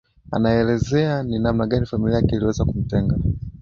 anaelezea ni namna gani familia yake iliweza kumtenga